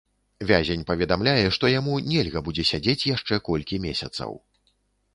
Вязень паведамляе, што яму нельга будзе сядзець яшчэ колькі месяцаў.